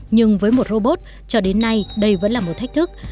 nhưng với một robot cho đến nay đây vẫn là một thách thức